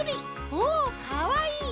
おおかわいい！